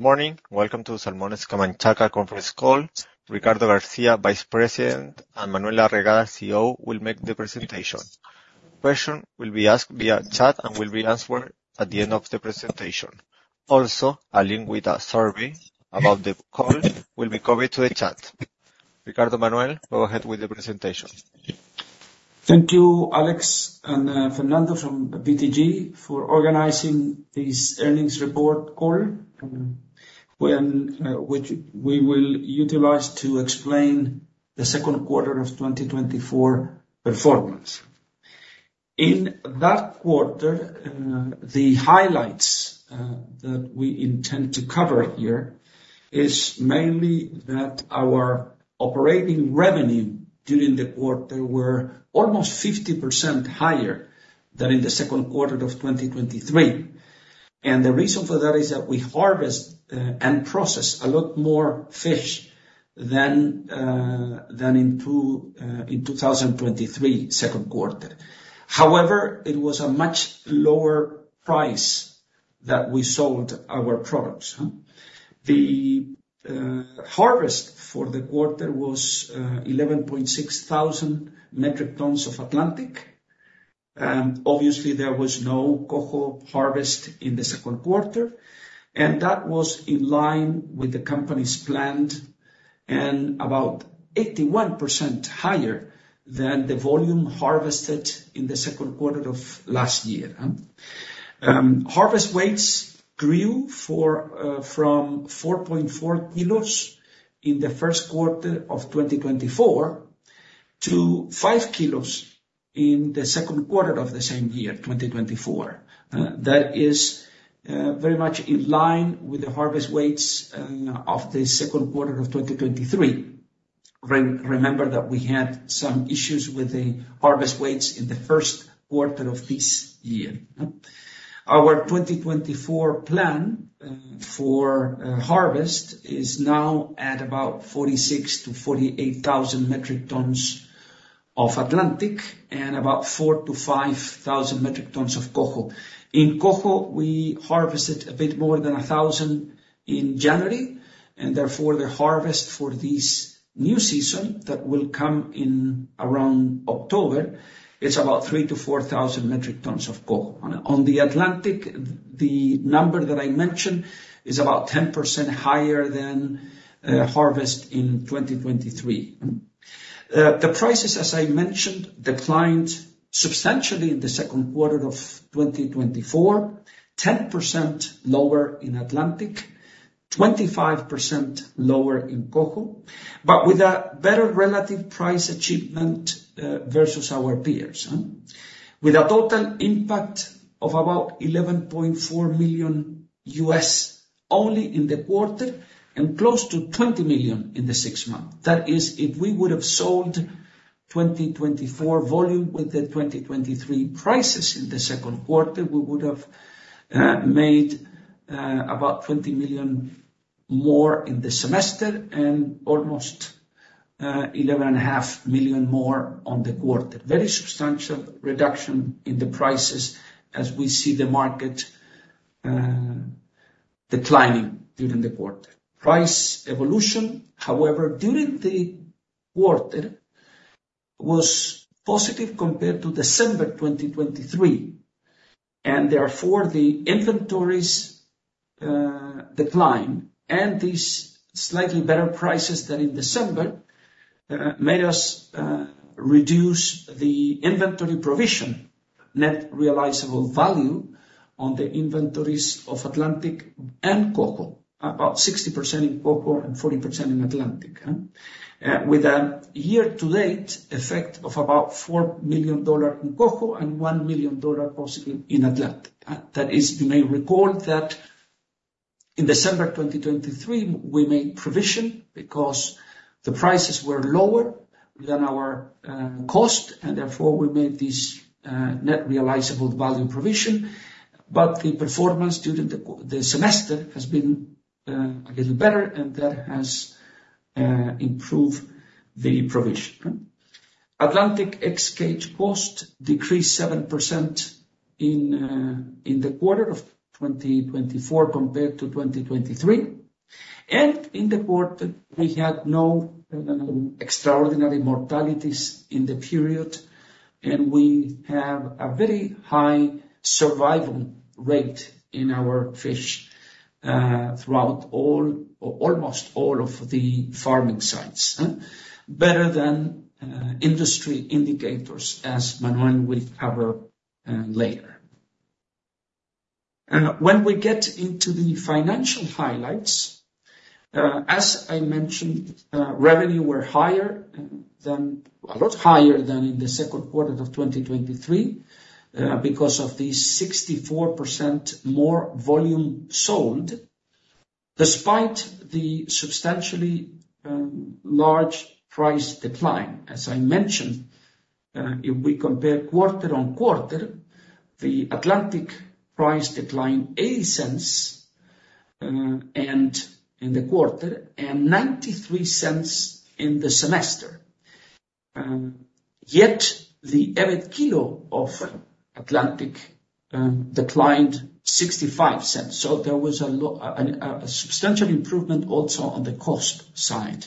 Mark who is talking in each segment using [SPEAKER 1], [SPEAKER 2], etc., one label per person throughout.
[SPEAKER 1] Good morning. Welcome to the Salmones Camanchaca conference call. Ricardo García, Vice President, and Manuel Arriagada, CEO, will make the presentation. Question will be asked via chat and will be answered at the end of the presentation. Also, a link with a survey about the call will be copied to the chat. Ricardo, Manuel, go ahead with the presentation.
[SPEAKER 2] Thank you, Alex and, Fernando from BTG, for organizing this earnings report call, when, which we will utilize to explain the second quarter of 2024 performance. In that quarter, the highlights, that we intend to cover here, is mainly that our operating revenue during the quarter were almost 50% higher than in the second quarter of 2023. And the reason for that, is that we harvest, and process a lot more fish than, than in two, in 2023, second quarter. However, it was a much lower price that we sold our products? The, harvest for the quarter was, 11,600 metric tons of Atlantic. Obviously, there was no Coho Harvest in the second quarter, and that was in line with the company's planned, and about 81% higher than the volume harvested in the second quarter of last year. Harvest weights grew from 4.4 kilos in the first quarter of 2024, to 5 kilos in the second quarter of the same year, 2024. That is very much in line with the harvest weights of the second quarter of 2023. Remember that we had some issues with the harvest weights in the first quarter of this year. Our 2024 plan for harvest is now at about 46,000-48,000 metric tons of Atlantic, and about 4,000-5,000 metric tons of Coho. In Coho, we harvested a bit more than 1,000 in January, and therefore, the harvest for this new season, that will come in around October, is about 3,000-4,000 metric tons of Coho. On the Atlantic, the number that I mentioned is about 10% higher than harvest in 2023. The prices, as I mentioned, declined substantially in the second quarter of 2024, 10% lower in Atlantic, 25% lower in Coho, but with a better relative price achievement versus our peers, huh? With a total impact of about $11.4 million only in the quarter, and close to $20 million in the six months. That is, if we would have sold 2024 volume with the 2023 prices in the second quarter, we would have made about $20 million more in the semester, and almost $11.5 million more on the quarter. Very substantial reduction in the prices as we see the market declining during the quarter. Price evolution, however, during the quarter, was positive compared to December 2023, and therefore, the inventories decline, and these slightly better prices than in December made us reduce the inventory provision, net realizable value on the inventories of Atlantic and Coho. About 60% in Coho and 40% in Atlantic, huh? With a year-to-date effect of about $4 million in Coho, and $1 million possibly in Atlantic. That is, you may recall that in December 2023, we made provision because the prices were lower than our cost, and therefore, we made this net realizable value provision. But the performance during the semester has been a little better, and that has improved the provision, huh? Atlantic ex-cage cost decreased 7% in the quarter of 2024 compared to 2023. In the quarter, we had no extraordinary mortalities in the period, and we have a very high survival rate in our fish throughout all, or almost all of the farming sites, huh? Better than industry indicators, as Manuel will cover later. When we get into the financial highlights, as I mentioned, revenue were higher than, a lot higher than in the second quarter of 2023, because of the 64% more volume sold, despite the substantially large price decline. As I mentioned, if we compare quarter-on-quarter, the Atlantic price declined $0.80 in the quarter and $0.93 in the semester. Yet the EBIT kilo of Atlantic declined $0.65. So there was a substantial improvement also on the cost side.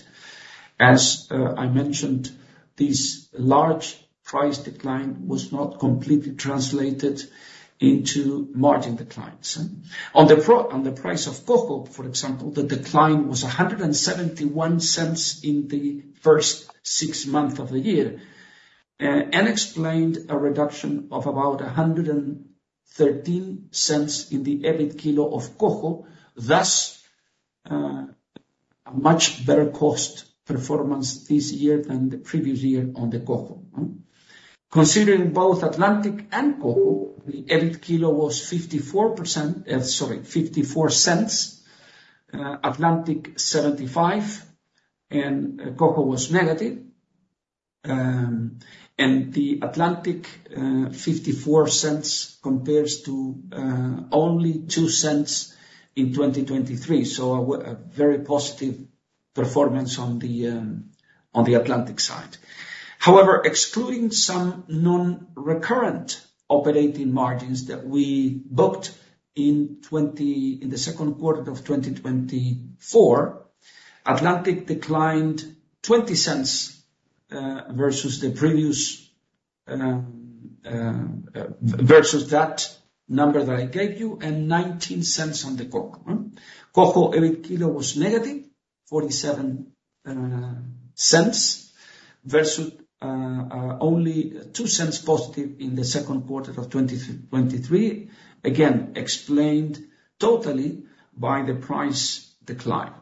[SPEAKER 2] As I mentioned, this large price decline was not completely translated into margin declines. On the price of Coho, for example, the decline was $1.71 in the first six months of the year, and explained a reduction of about $1.13 in the EBIT kilo of Coho, thus, a much better cost performance this year than the previous year on the Coho, huh? Considering both Atlantic and Coho, the EBIT kilo was 54%, sorry, $0.54, Atlantic $0.75, and Coho was negative. And the Atlantic, $0.54 compares to, only $0.02 in 2023, so a very positive performance on the Atlantic side. However, excluding some non-recurrent operating margins that we booked in twenty... In the second quarter of 2024, Atlantic declined $0.20 versus the previous versus that number that I gave you, and $0.19 on the Coho. Coho, EBIT kilo was -$0.47, versus only +$0.02 in the second quarter of 2023. Again, explained totally by the price decline.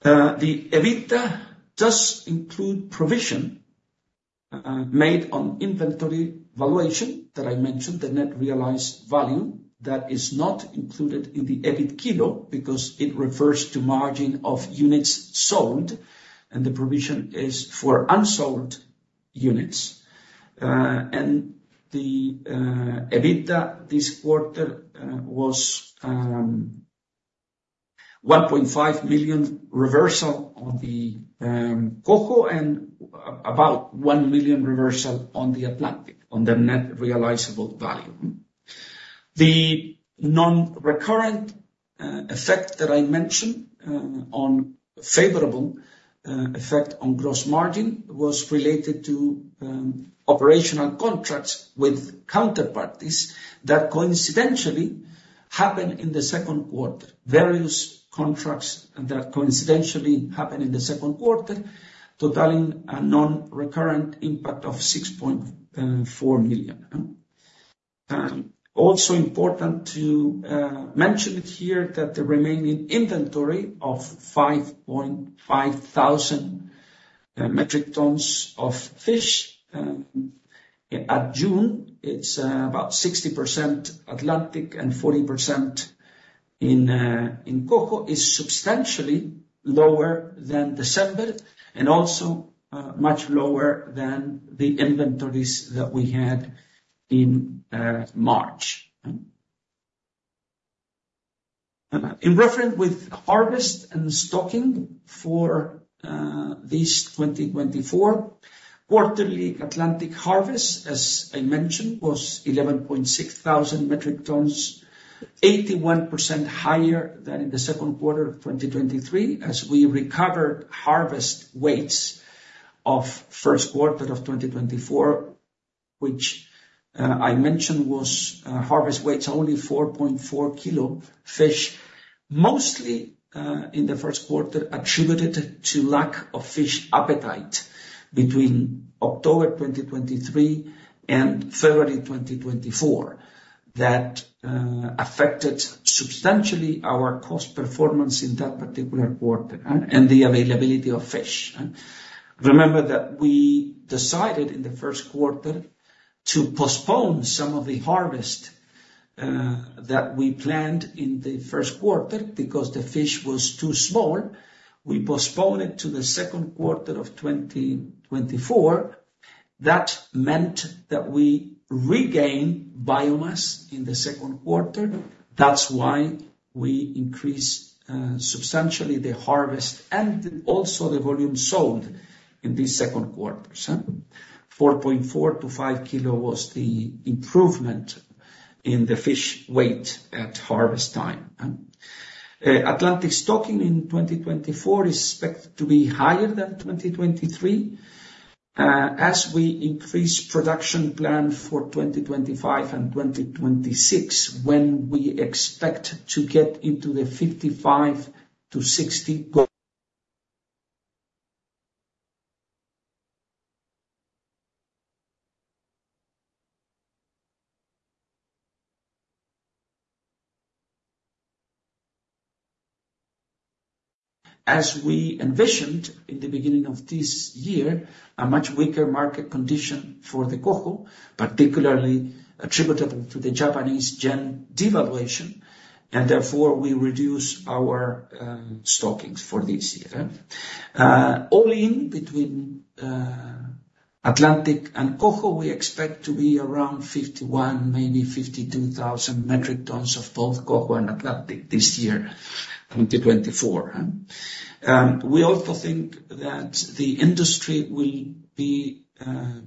[SPEAKER 2] The EBITDA does include provision made on inventory valuation that I mentioned, the net realizable value, that is not included in the EBIT kilo, because it refers to margin of units sold, and the provision is for unsold units. And the EBITDA this quarter was $1.5 million reversal on the Coho, and about $1 million reversal on the Atlantic, on the net realizable value. The non-recurrent effect that I mentioned on favorable effect on gross margin was related to operational contracts with counterparties that coincidentally happened in the second quarter. Various contracts that coincidentally happened in the second quarter, totaling a non-recurrent impact of $6.4 million. Also important to mention it here, that the remaining inventory of 5,500 metric tons of fish at June, it's about 60% Atlantic and 40% in Coho, is substantially lower than December, and also much lower than the inventories that we had in March. In reference with harvest and stocking for this 2024 quarterly Atlantic harvest, as I mentioned, was 11,600 metric tons, 81% higher than in the second quarter of 2023, as we recovered harvest weights of first quarter of 2024, which, I mentioned was, harvest weights only 4.4 kilo fish, mostly, in the first quarter, attributed to lack of fish appetite between October 2023 and February 2024. That affected substantially our cost performance in that particular quarter and the availability of fish. Remember that we decided in the first quarter to postpone some of the harvest that we planned in the first quarter, because the fish was too small. We postponed it to the second quarter of 2024. That meant that we regained biomass in the second quarter. That's why we increased substantially the harvest, and also the volume sold in this second quarter, so. 4.4 kilo-5 kilo was the improvement in the fish weight at harvest time. Atlantic stocking in 2024 is expected to be higher than 2023, as we increase production plan for 2025 and 2026, when we expect to get into the 55-60 goal. As we envisioned in the beginning of this year, a much weaker market condition for the Coho, particularly attributable to the Japanese yen devaluation, and therefore we reduce our stockings for this year. All in between Atlantic and Coho, we expect to be around 51,000, maybe 52,000 metric tons of both Coho and Atlantic this year, 2024, huh? We also think that the industry will be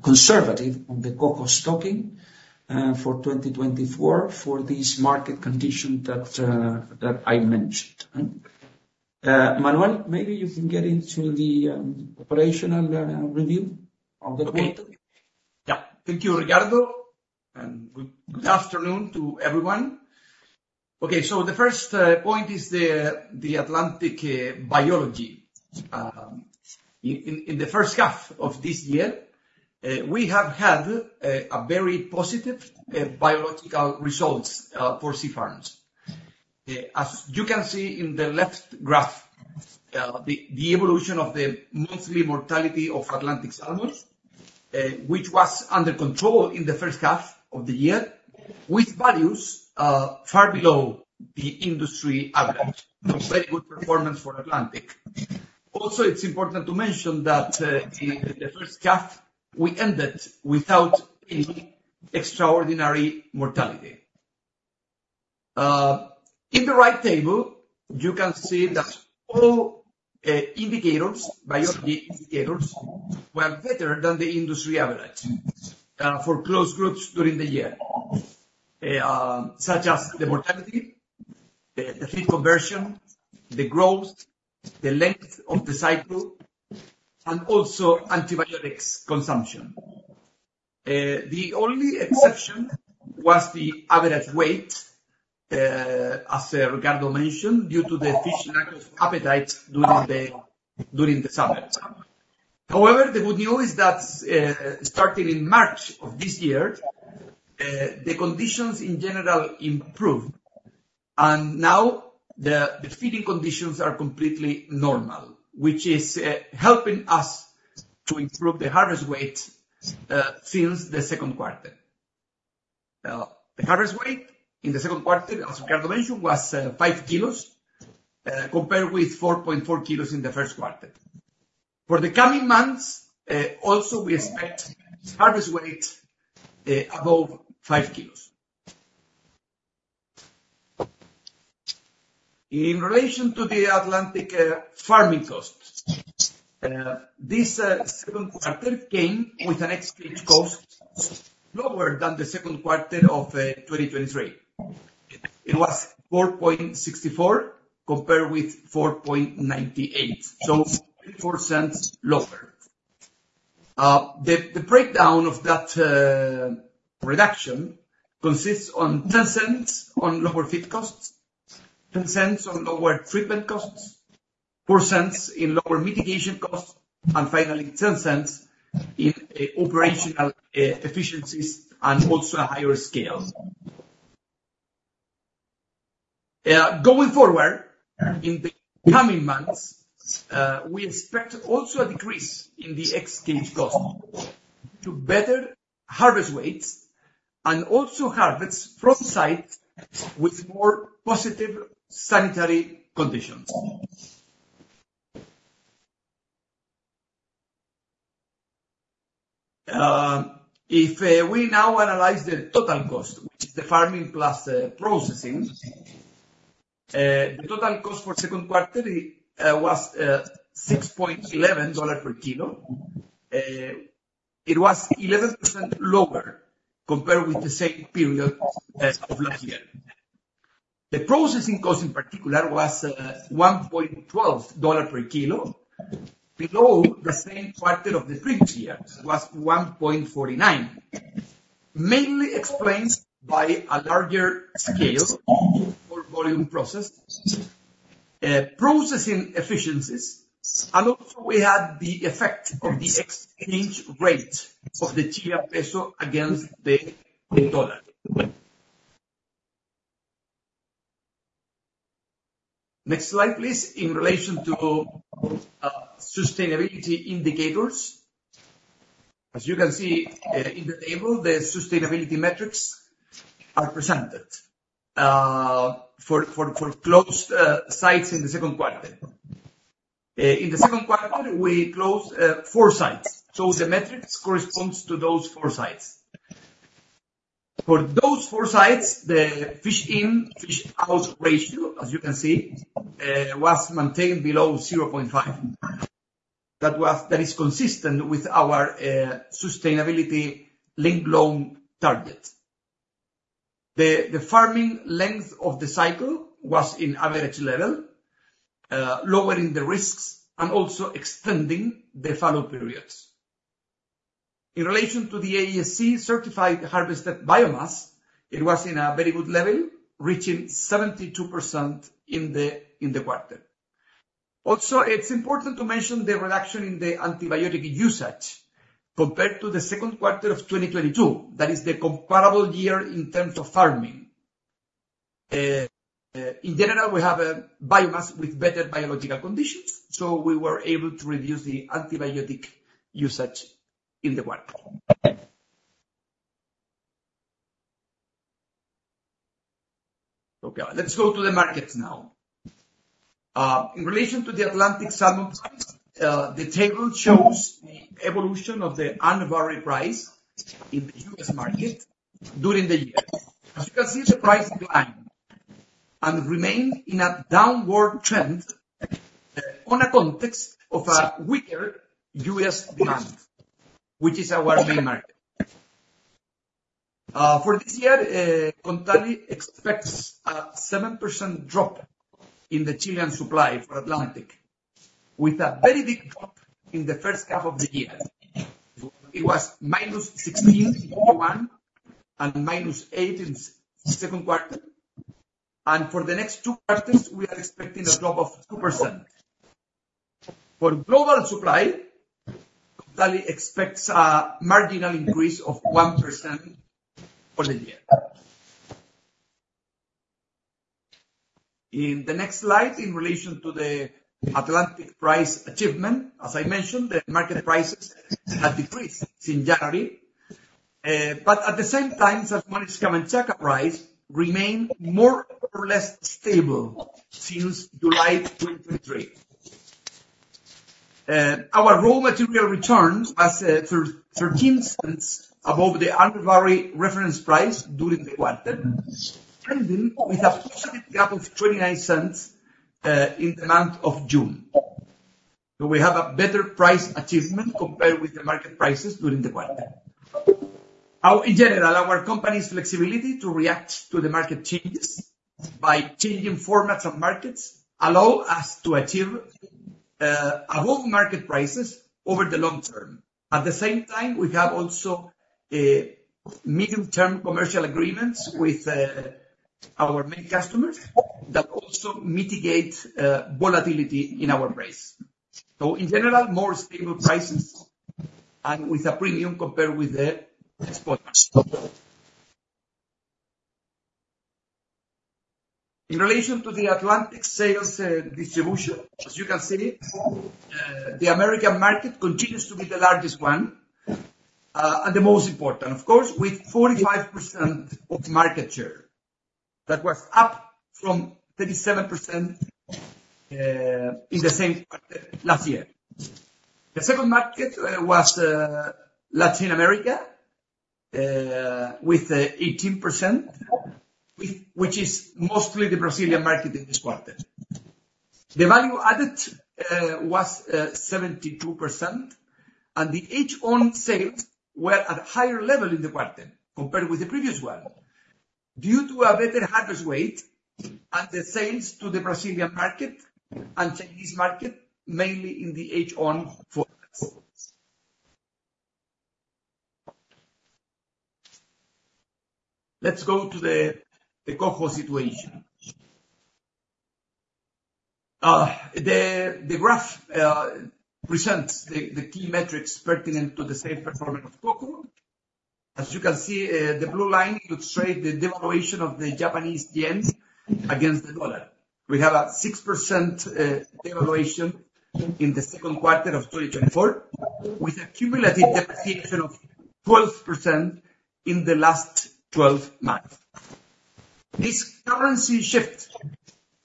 [SPEAKER 2] conservative on the Coho stocking for 2024, for this market condition that I mentioned. Manuel, maybe you can get into the operational review of the quarter.
[SPEAKER 3] Yeah. Thank you, Ricardo, and good, good afternoon to everyone. Okay, so the first point is the Atlantic biology. In the first half of this year, we have had a very positive biological results for sea-farms. As you can see in the left graph, the evolution of the monthly mortality of Atlantic salmons, which was under control in the first half of the year, with values far below the industry average. A very good performance for Atlantic. Also, it's important to mention that, the first half, we ended without any extraordinary mortality. In the right table, you can see that all indicators, biology indicators, were better than the industry average for closed groups during the year. Such as the mortality, the feed conversion, the growth, the length of the cycle, and also antibiotics consumption. The only exception was the average weight, as Ricardo mentioned, due to the fish lack of appetite during the summer. However, the good news is that, starting in March of this year, the conditions in general improved, and now the feeding conditions are completely normal, which is helping us to improve the harvest weight since the second quarter. The harvest weight in the second quarter, as Ricardo mentioned, was 5 kilos, compared with 4.4 kilos in the first quarter. For the coming months, also we expect harvest weight above 5 kilos. In relation to the Atlantic farming costs, this second quarter came with an ex-cage cost lower than the second quarter of 2023. It was $4.64, compared with $4.98, so $0.34 lower. The breakdown of that reduction consists on $0.10 on lower feed costs, $0.10 on lower treatment costs, $0.04 in lower mitigation costs, and finally, $0.10 in operational efficiencies, and also a higher scale. Going forward, in the coming months, we expect also a decrease in the ex-cage cost to better harvest weights and also harvest from site with more positive sanitary conditions. If we now analyze the total cost, which is the farming plus processing, the total cost for second quarter, it was $6.11 per kilo. It was 11% lower compared with the same period of last year. The processing cost, in particular, was $1.12 per kilo, below the same quarter of the previous year, was $1.49. Mainly explained by a larger scale for volume processed, processing efficiencies, and also we had the effect of the exchange rate of the peso against the dollar. Next slide, please. In relation to sustainability indicators, as you can see in the table, the sustainability metrics are presented for closed sites in the second quarter. In the second quarter, we closed four sites, so the metrics corresponds to those four sites. For those four sites, the Fish In:Fish Out ratio, as you can see, was maintained below 0.5. That is consistent with our sustainability-linked loan target. The farming length of the cycle was in average level, lowering the risks and also extending the fallow periods. In relation to the ASC-certified harvested biomass, it was in a very good level, reaching 72% in the quarter. Also, it's important to mention the reduction in the antibiotic usage compared to the second quarter of 2022. That is the comparable year in terms of farming. In general, we have a biomass with better biological conditions, so we were able to reduce the antibiotic usage in the quarter. Okay, let's go to the markets now. In relation to the Atlantic salmon price, the table shows the evolution of the average price in the U.S. market during the year. As you can see, the price declined and remained in a downward trend on a context of a weaker U.S. demand, which is our main market. For this year, Kontali expects a 7% drop in the Chilean supply for Atlantic, with a very big drop in the first half of the year. It was -16% in Q1, and -8% in second quarter, and for the next two quarters, we are expecting a drop of 2%. For global supply, Kontali expects a marginal increase of 1% for the year. In the next slide, in relation to the Atlantic price achievement, as I mentioned, the market prices have decreased since January. But at the same time, the achieved price remained more or less stable since July 2023. Our raw material returns as $0.13 above the reference price during the quarter, ending with a positive gap of $0.29 in the month of June. So we have a better price achievement compared with the market prices during the quarter. In general, our company's flexibility to react to the market changes by changing formats and markets allow us to achieve a higher market prices over the long term. At the same time, we have also medium-term commercial agreements with our main customers that also mitigate volatility in our price. So in general, more stable prices and with a premium compared with the export. In relation to the Atlantic sales, distribution, as you can see, the American market continues to be the largest one, and the most important, of course, with 45% of the market share. That was up from 37% in the same quarter last year. The second market was Latin America with 18%, which is mostly the Brazilian market in this quarter. The value added was 72%, and the HOG sales were at higher level in the quarter compared with the previous one, due to a better harvest weight and the sales to the Brazilian market and Chinese market, mainly in the HOG. Let's go to the Coho situation. The graph presents the key metrics pertinent to the sales performance of Coho. As you can see, the blue line illustrates the devaluation of the Japanese yen against the dollar. We have a 6% devaluation in the second quarter of 2024, with a cumulative depreciation of 12% in the last 12 months. This currency shift,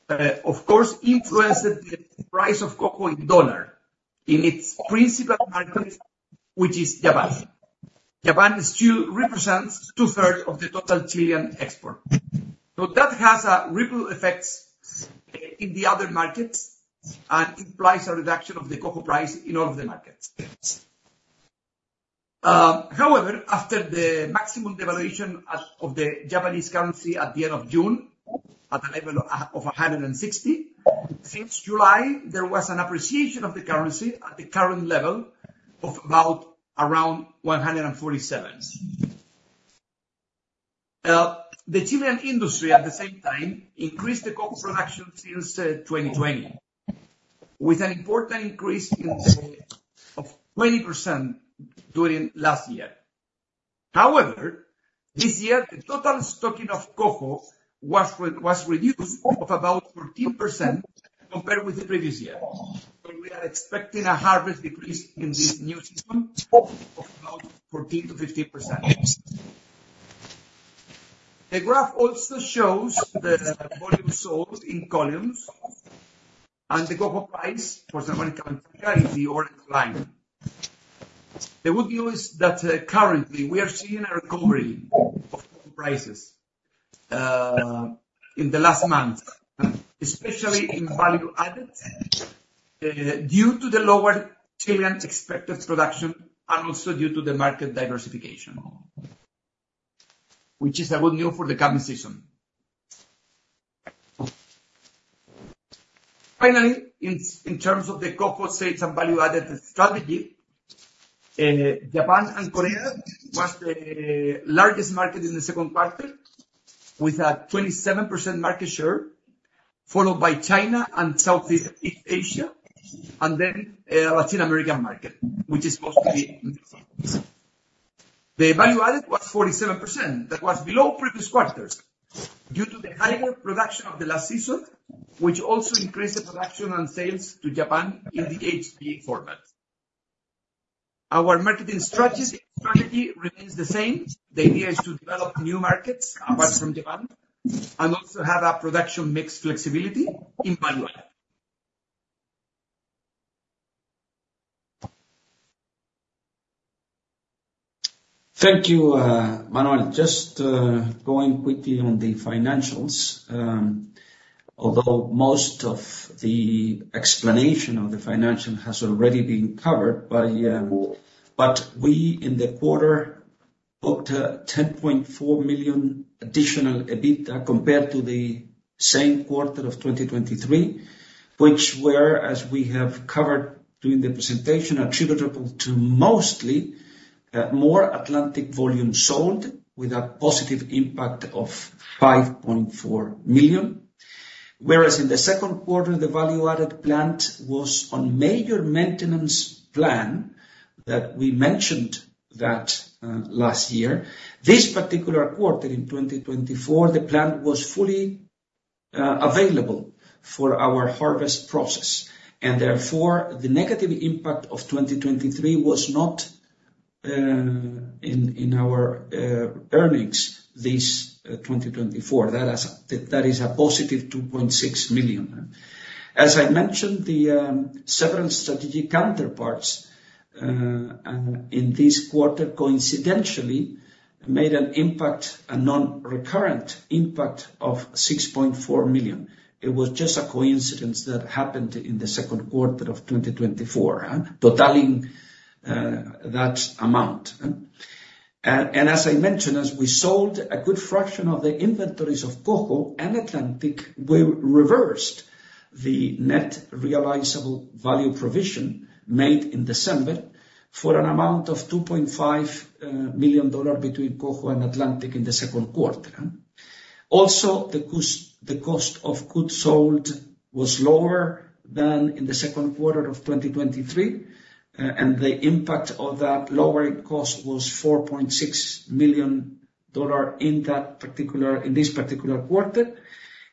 [SPEAKER 3] of course, influenced the price of Coho in dollars, in its principal market, which is Japan. Japan still represents 2/3 of the total Chilean export. So that has a ripple effects in the other markets, and implies a reduction of the Coho price in all of the markets. However, after the maximum devaluation of the Japanese currency at the end of June, at a level of a 160, since July, there was an appreciation of the currency at the current level of about around 147. The Chilean industry, at the same time, increased the Coho production since 2020, with an important increase in sales of 20% during last year. However, this year, the total stocking of Coho was reduced of about 14% compared with the previous year. So we are expecting a harvest decrease in this new season of about 14%-15%. The graph also shows the volume sold in columns, and the Coho price for, is the orange line. The good news, that, currently, we are seeing a recovery of Coho prices, in the last month, especially in value added, due to the lower Chilean expected production, and also due to the market diversification, which is a good news for the coming season. Finally, in terms of the Coho sales and value-added strategy, Japan and Korea was the largest market in the second quarter, with a 27% market share, followed by China and Southeast Asia, and then Latin American market. The value added was 47%. That was below previous quarters due to the higher production of the last season, which also increased the production and sales to Japan in the HG format. Our marketing strategy, strategy remains the same. The idea is to develop new markets apart from Japan, and also have a production mix flexibility in value add.
[SPEAKER 2] Thank you, Manuel. Just going quickly on the financials, although most of the explanation of the financial has already been covered by... But we, in the quarter, booked $10.4 million additional EBITDA compared to the same quarter of 2023, which were, as we have covered during the presentation, attributable to mostly more Atlantic volume sold with a positive impact of $5.4 million. Whereas in the second quarter, the value-added plant was on major maintenance plan that we mentioned that last year. This particular quarter in 2024, the plant was fully available for our harvest process, and therefore, the negative impact of 2023 was not in our earnings this 2024. That is a +$2.6 million. As I mentioned, the several strategic counterparts in this quarter, coincidentally, made an impact, a non-recurrent impact of $6.4 million. It was just a coincidence that happened in the second quarter of 2024, totaling that amount. And as I mentioned, as we sold a good fraction of the inventories of Coho and Atlantic, we reversed the net realizable value provision made in December for an amount of $2.5 million between Coho and Atlantic in the second quarter. Also, the cost, the cost of goods sold was lower than in the second quarter of 2023, and the impact of that lowering cost was $4.6 million in that particular... in this particular quarter.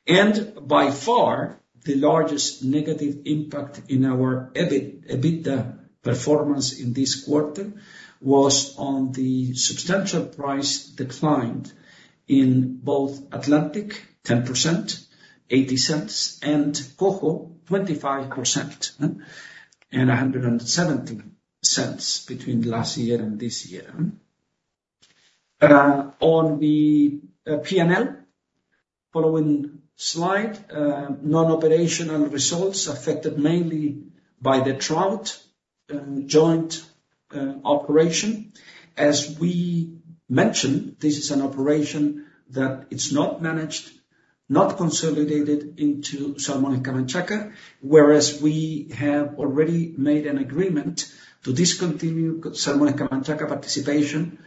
[SPEAKER 2] And by far, the largest negative impact in our EBIT, EBITDA performance in this quarter was the substantial price decline in both Atlantic, 10%, $0.80, and Coho, 25%, and $1.70 between last year and this year. On the P&L, following slide, non-operational results affected mainly by the trout joint operation. As we mentioned, this is an operation that it's not managed, not consolidated into Salmones Camanchaca, whereas we have already made an agreement to discontinue Salmones Camanchaca participation,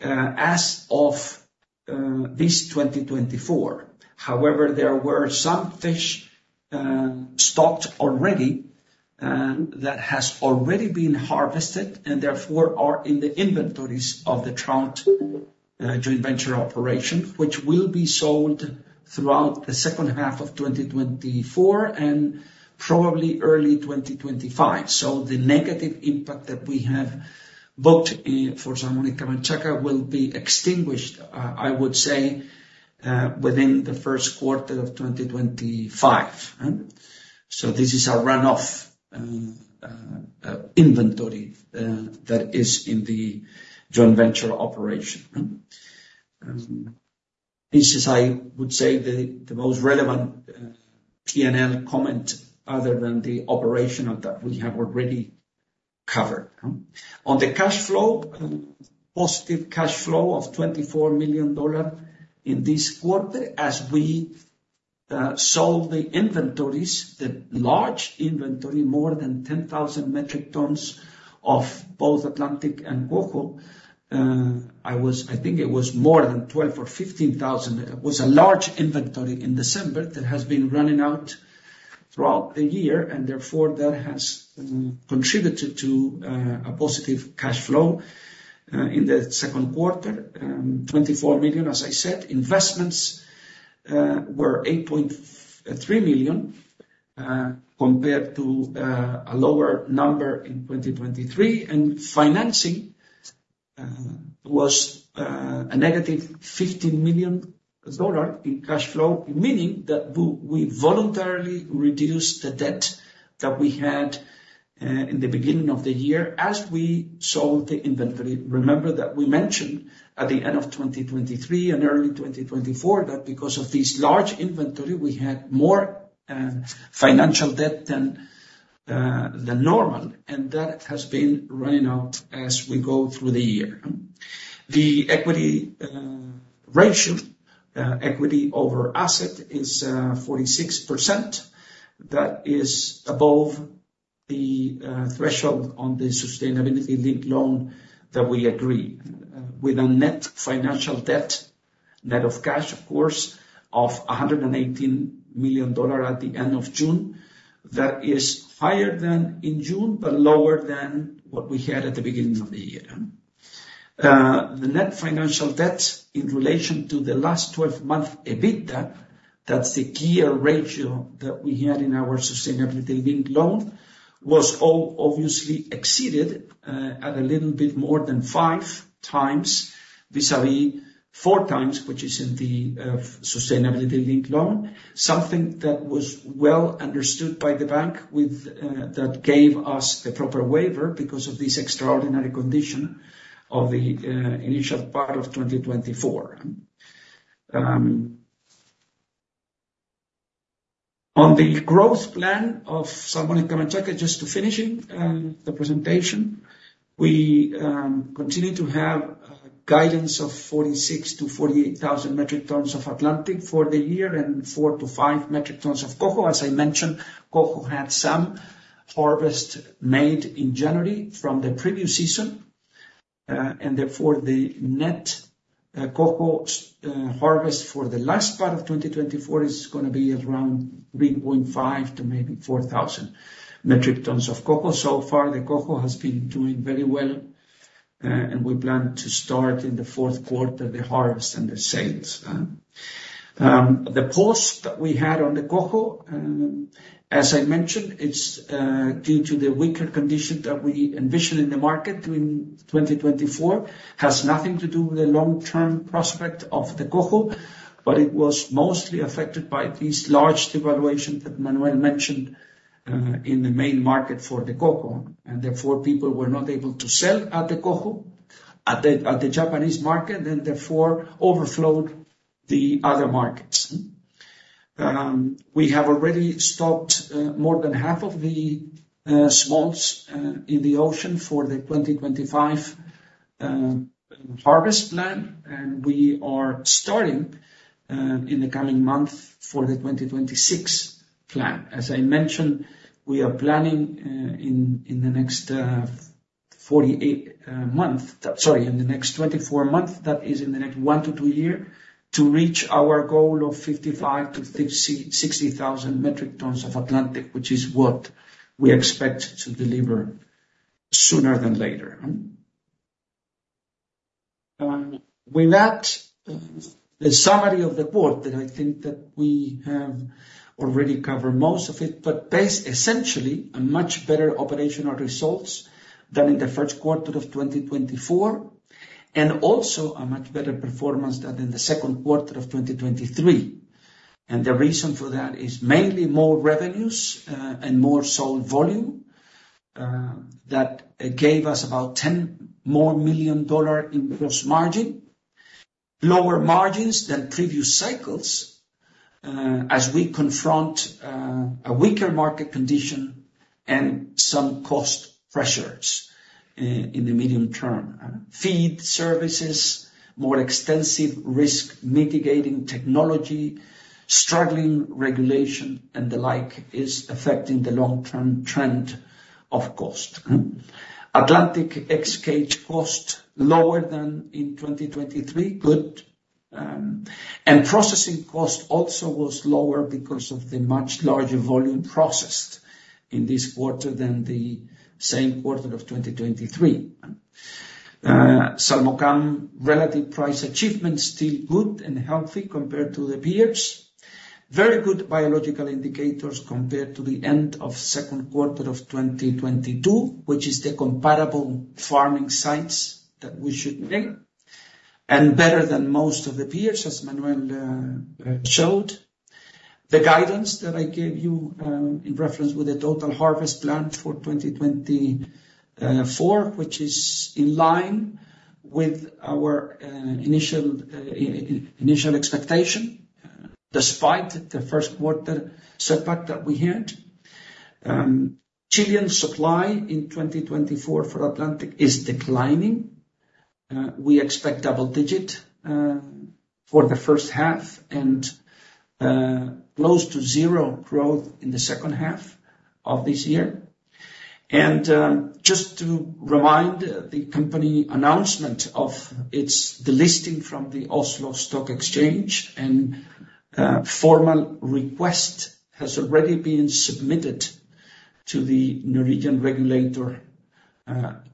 [SPEAKER 2] as of this 2024. However, there were some fish stocked already that has already been harvested, and therefore, are in the inventories of the trout joint venture operation, which will be sold throughout the second half of 2024, and probably early 2025. So the negative impact that we have booked for Salmones Camanchaca will be extinguished, I would say, within the first quarter of 2025. So this is a runoff inventory that is in the joint venture operation. This is, I would say, the most relevant P&L comment other than the operational that we have already covered. On the cash flow, positive cash flow of $24 million in this quarter, as we sold the inventories, the large inventory, more than 10,000 metric tons of both Atlantic and Coho, I think it was more than 12,000 or 15,000. It was a large inventory in December that has been running out throughout the year, and therefore, that has contributed to a positive cash flow in the second quarter. $24 million, as I said, investments were $8.3 million compared to a lower number in 2023. Financing was a -$15 million in cash flow, meaning that we voluntarily reduced the debt that we had in the beginning of the year as we sold the inventory. Remember that we mentioned at the end of 2023 and early 2024, that because of this large inventory, we had more financial debt than than normal, and that has been running out as we go through the year. The equity ratio, equity over asset is 46%. That is above the threshold on the Sustainability Linked Loan that we agreed with a net financial debt, net of cash, of course, of $118 million at the end of June. That is higher than in June, but lower than what we had at the beginning of the year. The net financial debt in relation to the last 12-month EBITDA, that's the key ratio that we had in our sustainability linked loan, was obviously exceeded at a little bit more than 5x vis-à-vis 4x, which is in the sustainability linked loan. Something that was well understood by the bank with that gave us the proper waiver because of this extraordinary condition of the initial part of 2024. On the growth plan of Salmones Camanchaca, just to finishing the presentation, we continue to have a guidance of 46,000-48,000 metric tons of Atlantic for the year, and 4-5 metric tons of Coho. As I mentioned, Coho had some harvest made in January from the previous season, and therefore, the net Coho harvest for the last part of 2024 is gonna be around 3.5 to maybe 4,000 metric tons of Coho. So far, the Coho has been doing very well, and we plan to start in the fourth quarter, the harvest and the sales. The pause that we had on the Coho, as I mentioned, it's due to the weaker condition that we envision in the market during 2024, has nothing to do with the long-term prospect of the Coho, but it was mostly affected by this large devaluation that Manuel mentioned in the main market for the Coho, and therefore, people were not able to sell at the Coho, at the, at the Japanese market, and therefore, overflowed the other markets. We have already stopped more than half of the smolts in the ocean for the 2025 harvest plan, and we are starting in the coming month for the 2026 plan. As I mentioned, we are planning in the next 48 months...Sorry, in the next 24 months, that is in the next one to two years, to reach our goal of 55,000-56,000 metric tons of Atlantic, which is what we expect to deliver sooner than later. With that, the summary of the board, that I think that we have already covered most of it, but based essentially a much better operational results than in the first quarter of 2024, and also a much better performance than in the second quarter of 2023. The reason for that is mainly more revenues, and more sold volume, that gave us about $10 million more in gross margin. Lower margins than previous cycles, as we confront, a weaker market condition and some cost pressures, in the medium term. Feed, services, more extensive risk mitigating technology, struggling regulation, and the like, is affecting the long-term trend of cost. Atlantic ex-cage cost, lower than in 2023, good. Processing cost also was lower because of the much larger volume processed in this quarter than the same quarter of 2023. Salmocam relative price achievement, still good and healthy compared to the peers. Very good biological indicators compared to the end of second quarter of 2022, which is the comparable farming sites that we should name, and better than most of the peers, as Manuel showed. The guidance that I gave you, in reference with the total harvest plan for 2024, which is in line with our initial expectation, despite the first quarter setback that we had. Chilean supply in 2024 for Atlantic is declining. We expect double digit for the first half and close to zero growth in the second half of this year. Just to remind the company announcement of its delisting from the Oslo Stock Exchange, and formal request has already been submitted to the Norwegian regulator,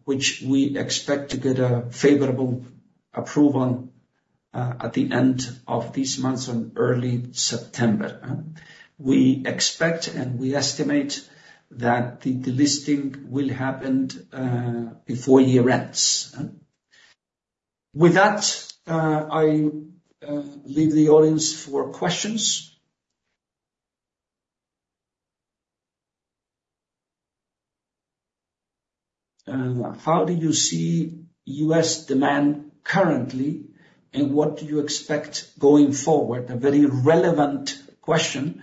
[SPEAKER 2] which we expect to get a favorable approval at the end of this month and early September. We expect, and we estimate that the delisting will happen before year ends. With that, I leave the audience for questions. How do you see U.S. demand currently, and what do you expect going forward? A very relevant question,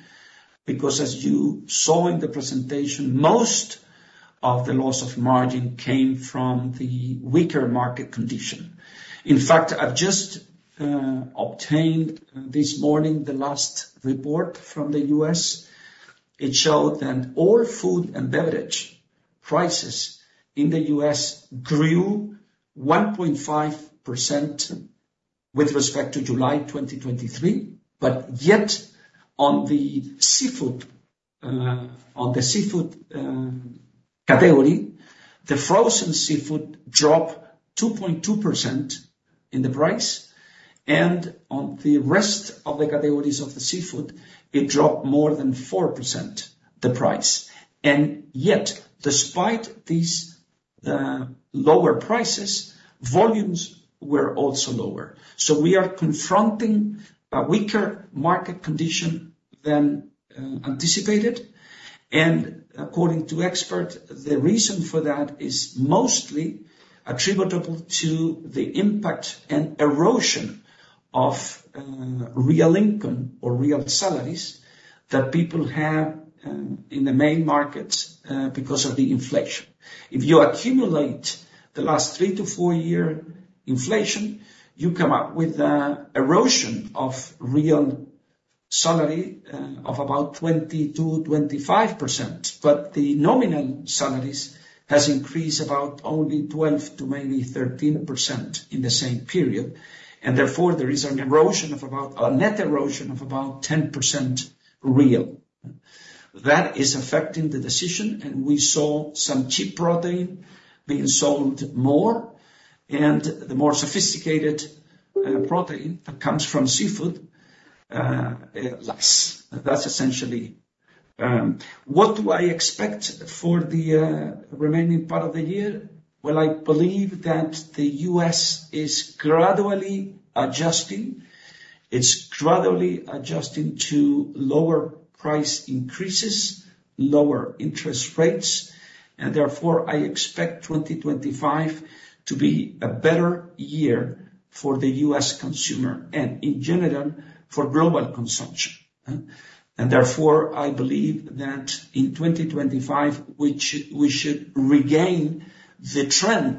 [SPEAKER 2] because as you saw in the presentation, most of the loss of margin came from the weaker market condition. In fact, I've just obtained this morning the last report from the U.S. It showed that all food and beverage prices in the U.S. grew 1.5% with respect to July 2023, but yet on the seafood category, the frozen seafood dropped 2.2% in the price, and on the rest of the categories of the seafood, it dropped more than 4%, the price. And yet, despite these lower prices, volumes were also lower. So we are confronting a weaker market condition than anticipated. And according to expert, the reason for that is mostly attributable to the impact and erosion of real income or real salaries that people have in the main markets because of the inflation. If you accumulate the last 3-4-year inflation, you come up with an erosion of real salary, of about 20%-25%. But the nominal salaries has increased about only 12% to maybe 13% in the same period, and therefore, there is an erosion of about... A net erosion of about 10% real. That is affecting the decision, and we saw some cheap protein being sold more, and the more sophisticated, protein that comes from seafood, less. That's essentially... What do I expect for the, remaining part of the year? Well, I believe that the U.S. is gradually adjusting. It's gradually adjusting to lower price increases, lower interest rates, and therefore, I expect 2025 to be a better year for the U.S. consumer and in general, for global consumption, huh? And therefore, I believe that in 2025, we should regain the trend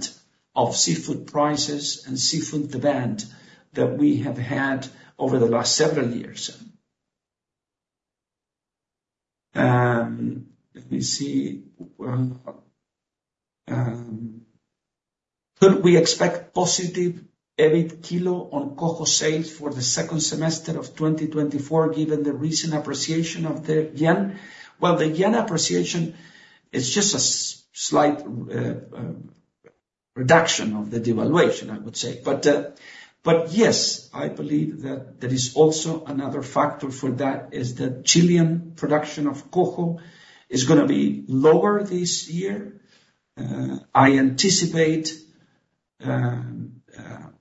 [SPEAKER 2] of seafood prices and seafood demand that we have had over the last several years. Could we expect positive EBIT kilo on Coho sales for the second semester of 2024, given the recent appreciation of the yen? Well, the yen appreciation is just a slight reduction of the devaluation, I would say. But, but yes, I believe that there is also another factor for that, is the Chilean production of Coho is gonna be lower this year. I anticipate,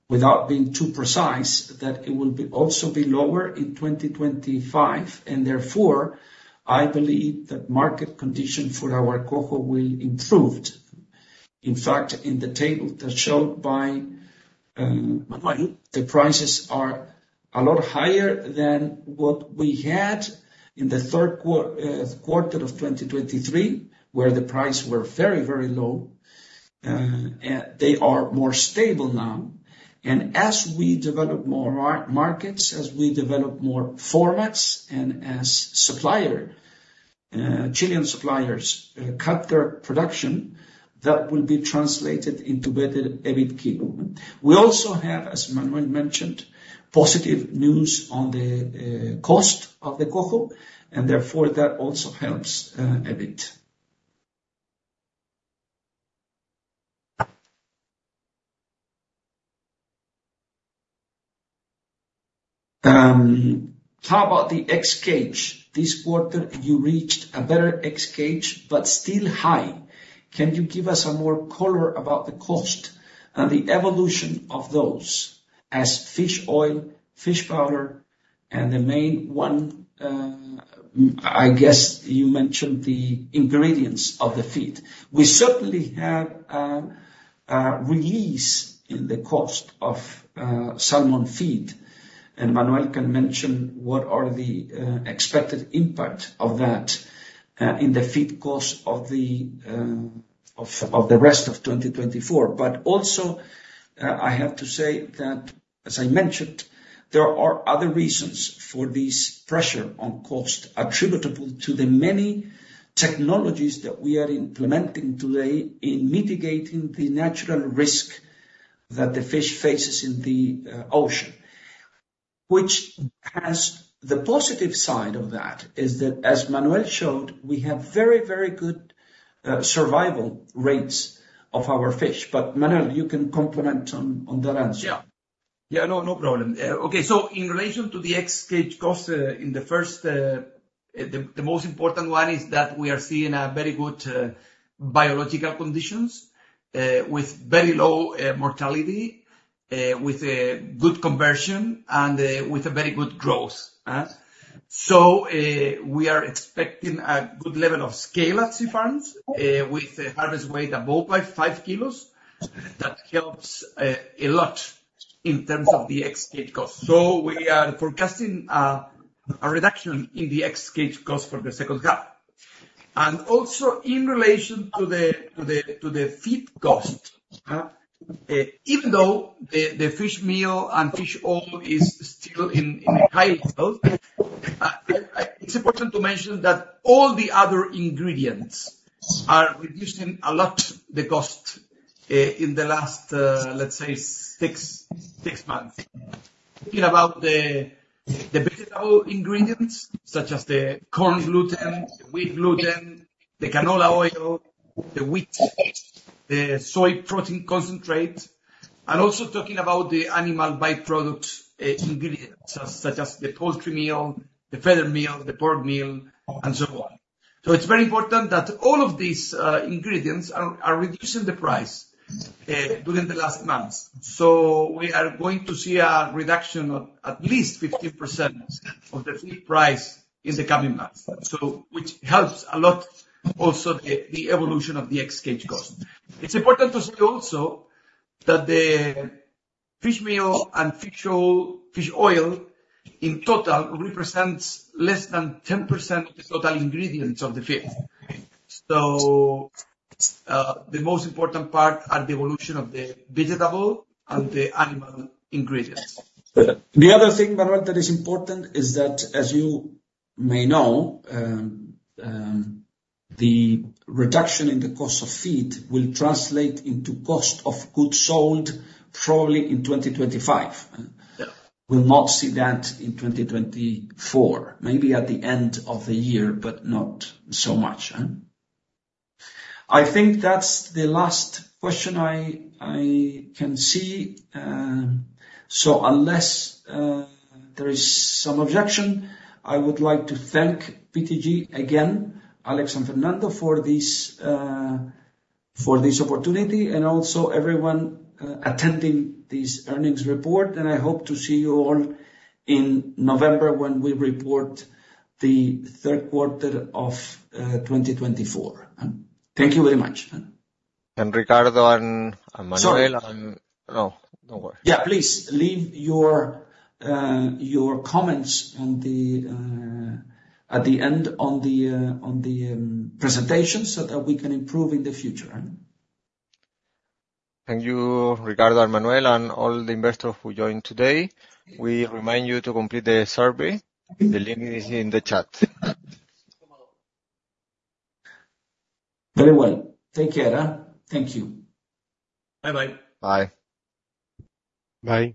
[SPEAKER 2] without being too precise, that it will also be lower in 2025, and therefore, I believe the market condition for our Coho will improve. In fact, in the table that showed by Manuel, the prices are a lot higher than what we had in the third quarter of 2023, where the price were very, very low. They are more stable now, and as we develop more markets, as we develop more formats, and as supplier, Chilean suppliers, cut their production, that will be translated into better EBIT kilo. We also have, as Manuel mentioned, positive news on the cost of the Coho, and therefore, that also helps a bit. How about the ex-cage? This quarter, you reached a better ex-cage, but still high. Can you give us some more color about the cost and the evolution of those as fish oil, fish powder, and the main one, I guess, you mentioned the ingredients of the feed. We certainly have a release in the cost of salmon feed, and Manuel can mention what are the expected impact of that in the feed cost of the rest of 2024. But also, I have to say that, as I mentioned, there are other reasons for this pressure on cost, attributable to the many technologies that we are implementing today in mitigating the natural risk that the fish faces in the ocean. Which has the positive side of that is that, as Manuel showed, we have very, very good survival rates of our fish. But Manuel, you can comment on that answer.
[SPEAKER 3] Yeah. Yeah, no, no problem. Okay, so in relation to the ex-cage cost, in the first, the, the most important one is that we are seeing a very good biological conditions with very low mortality with a good conversion and with a very good growth? So, we are expecting a good level of scale at sea-farms with a harvest weight above by 5 kilos. That helps a lot in terms of the ex-cage cost. So we are forecasting a reduction in the ex-cage cost for the second half. And also, in relation to the feed cost, even though the fish meal and fish oil is still in a high level. It's important to mention that all the other ingredients are reducing a lot the cost in the last, let's say, six months. Thinking about the vegetable ingredients, such as the corn gluten, the wheat gluten, the canola oil, the wheat, the soy protein concentrate, and also talking about the animal by-product ingredients, such as the poultry meal, the feather meal, the pork meal, and so on. So it's very important that all of these ingredients are reducing the price during the last months. So we are going to see a reduction of at least 15% of the feed price in the coming months, so which helps a lot also the evolution of the ex-cage cost. It's important to say also that the fish meal and fish oil, fish oil, in total, represents less than 10% of the total ingredients of the feed. So, the most important part are the evolution of the vegetable and the animal ingredients.
[SPEAKER 2] The other thing, Manuel, that is important is that, as you may know, the reduction in the cost of feed will translate into cost of goods sold probably in 2025. We'll not see that in 2024. Maybe at the end of the year, but not so much? I think that's the last question I can see, so unless there is some objection, I would like to thank BTG again, Alex and Fernando, for this, for this opportunity, and also everyone, attending this earnings report. I hope to see you all in November when we report the third quarter of 2024. Thank you very much.
[SPEAKER 4] And Ricardo and Manuel-
[SPEAKER 3] Sorry.
[SPEAKER 4] And... No, no worry.
[SPEAKER 3] Yeah, please leave your comments at the end on the presentation, so that we can improve in the future.
[SPEAKER 4] Thank you, Ricardo and Manuel and all the investors who joined today. We remind you to complete the survey. The link is in the chat.
[SPEAKER 3] Very well. Take care. Thank you.
[SPEAKER 4] Bye-bye.
[SPEAKER 5] Bye.
[SPEAKER 6] Bye.